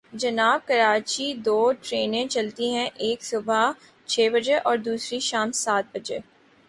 جناب، کراچی دو ٹرینیں چلتی ہیں، ایک صبح چھ بجے اور دوسری شام سات بجے۔